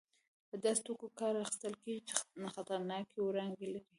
له داسې توکو کار اخیستل کېږي چې خطرناکې وړانګې لري.